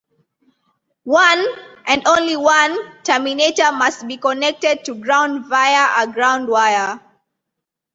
One, and only one, terminator must be connected to ground via a ground wire.